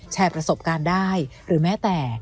แชร์ประสบการณ์ได้หรือแม้แต่